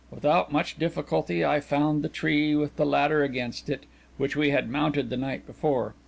Without much difficulty, I found the tree with the ladder against it, which we had mounted the night before.